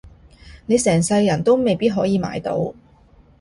你成世人都未必可以買到